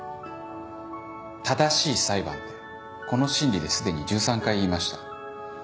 「正しい裁判」ってこの審理ですでに１３回言いました。